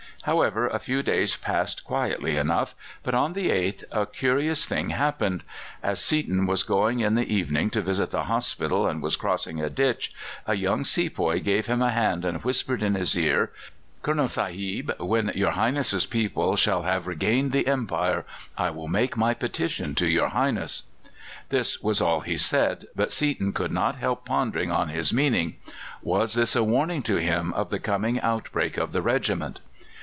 However, a few days passed quietly enough; but on the 8th a curious thing happened. As Seaton was going in the evening to visit the hospital, and was crossing a ditch, a young sepoy gave him a hand and whispered in his ear: "Colonel Sahib, when your highness' people shall have regained the Empire, I will make my petition to your highness." This was all he said, but Seaton could not help pondering on his meaning. Was this a warning to him of the coming outbreak of the regiment?